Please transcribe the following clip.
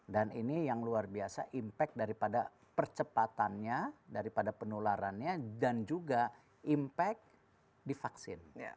dan ini yang luar biasa impact daripada percepatannya daripada penularannya dan juga impact di vaksin